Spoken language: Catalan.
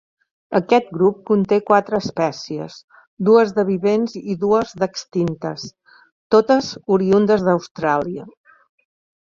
Aquest grup conté quatre espècies, dues de vivents i dues d'extintes, totes oriündes d'Austràlia.